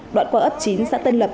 đoạn qua ấp chín xã tân lập